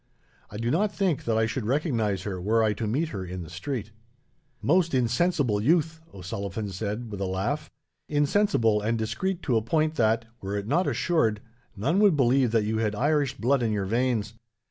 I do not think that I should recognize her, were I to meet her in the street." "Most insensible youth!" O'Sullivan said, with a laugh; "insensible and discreet to a point that, were it not assured, none would believe that you had Irish blood in your veins.